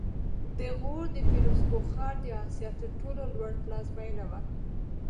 د غور د فیروزکوه ښار د اسیا تر ټولو لوړ پلازمېنه وه